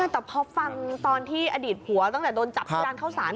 แต่พอฟังตอนที่อดีตผัวตั้งแต่โดนจับที่ร้านข้าวสาร